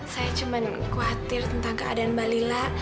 saya cuma khawatir tentang keadaan balila